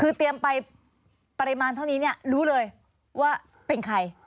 คือเตรียมไปปริมาณเท่านี้เนี่ยรู้เลยว่าเป็นใคร